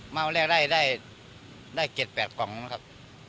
มาวันแรกได้๗๘กล่องนะครับ